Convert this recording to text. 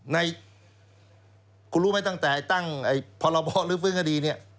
ในคุณรู้ไหมตั้งแต่ตั้งพรบหรือฟื้นคดีเนี่ย